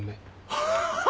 ハハハ！